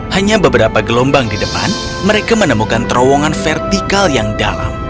hanya beberapa gelombang di depan mereka menemukan terowongan vertikal yang dalam